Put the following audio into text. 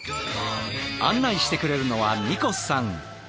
案内してくれるのはニコスさん。